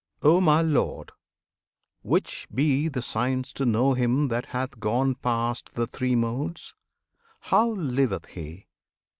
Oh, my Lord! Which be the signs to know him that hath gone Past the Three Modes? How liveth he?